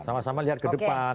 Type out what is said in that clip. sama sama lihat ke depan